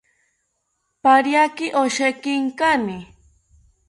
Pariaki osheki inkani